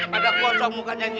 pada kocok mukanya gini